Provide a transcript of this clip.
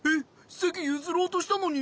せきゆずろうとしたのに？